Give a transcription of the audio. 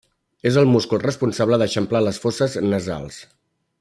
És el múscul responsable d'eixamplar les fosses nasals.